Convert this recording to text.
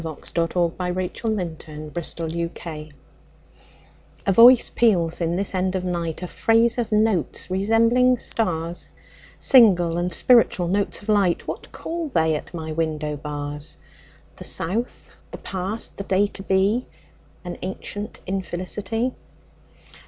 1920. Alice Meynell1847–1922 A Thrush before Dawn A VOICE peals in this end of nightA phrase of notes resembling stars, Single and spiritual notes of light. What call they at my window bars? The South, the past, the day to be, An ancient infelicity.